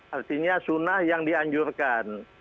artinya sunnah yang dianjurkan